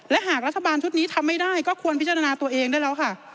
และหากรัฐบาลชุดนี้ทำไม่ได้ก็ควรพิจารณาตัวเองได้แล้วค่ะ